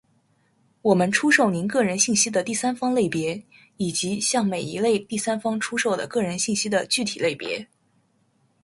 我们出售您个人信息的第三方类别，以及向每一类第三方出售的个人信息的具体类别。